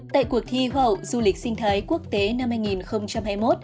tại cuộc thi hoa hậu du lịch sinh thái quốc tế năm hai nghìn hai mươi một